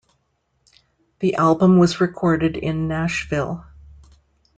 The album was recorded in Nashville.